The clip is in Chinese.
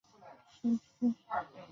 为该县的首府。